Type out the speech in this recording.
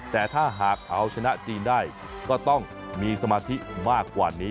แต่ถ้าหากเอาชนะจีนได้ก็ต้องมีสมาธิมากกว่านี้